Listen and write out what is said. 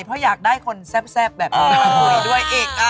เพราะอยากได้คนแซ่บแบบอ๋อด้วยอีก